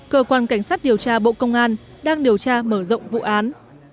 cơ quan cảnh sát điều tra bộ công an đang điều tra mở rộng vụ án